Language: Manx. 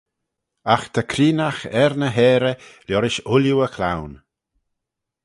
Agh ta creenaght er ny heyrey liorish ooilley e cloan.